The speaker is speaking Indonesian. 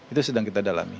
itu sedang kita dalami